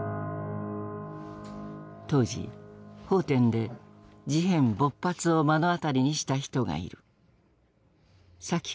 当時奉天で事変勃発を目の当たりにした人がいる。